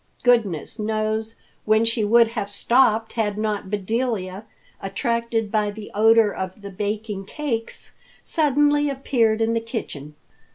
Goodness knows when she would have stopped had not Bedelia, attracted by the odor of the baking cakes, suddenly appeared in the kitchen.